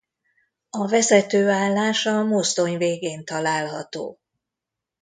A vezetőállás a mozdony végén található.